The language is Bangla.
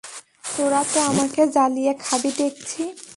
তোরা তো আমাকে জ্বালিয়ে খাবি দেখছি।